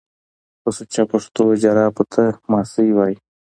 په سوچه پښتو جرابو ته ماسۍ وايي